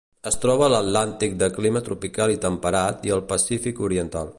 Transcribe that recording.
Es troba a l'Atlàntic de clima tropical i temperat, i el Pacífic oriental.